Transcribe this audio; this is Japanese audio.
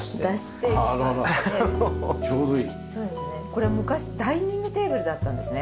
これ昔ダイニングテーブルだったんですね。